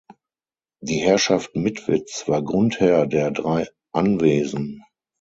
Die Herrschaft Mitwitz war Grundherr der drei Anwesen.